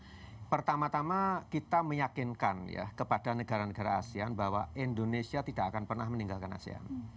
ya pertama tama kita meyakinkan ya kepada negara negara asean bahwa indonesia tidak akan pernah meninggalkan asean